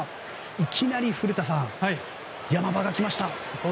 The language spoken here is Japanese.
いきなり古田さん山場が来ました。